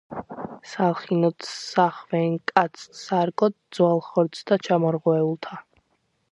სალხინოდ ჰსახვენ, კაცთ სარგოდ ძვალ-ხორცთა ჩამორღვეულთა.